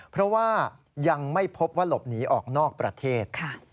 เพราะว่ายังไม่พบว่าหลบหนีออกนอกประเทศ